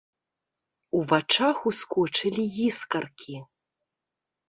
У вачах ускочылі іскаркі.